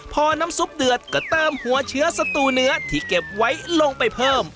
พอน้ำซุปเดือดก็เติมหัวเชื้อสตูเนื้อที่เก็บไว้ลงไปเพิ่ม